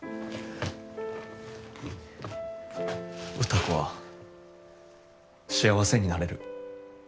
歌子は幸せになれる。